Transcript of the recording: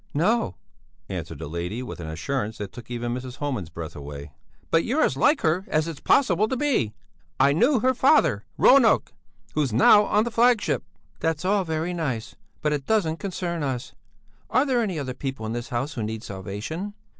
"No," answered that lady with an assurance which took even Mrs. Homan's breath away. "But you're as like her as its possible to be! I knew her father, Ronock, who's now on the flagship." "That's all very nice, but it doesn't concern us.... Are there any other people in this house who need salvation?"